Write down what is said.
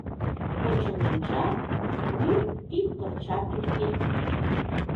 Почын ончат — мӱй ик пырчат уке.